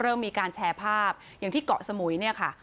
เริ่มมีการแชร์ภาพอย่างที่เกาะสมุยเนี่ยค่ะ